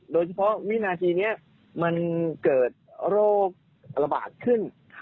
วินาทีนี้มันเกิดโรคระบาดขึ้น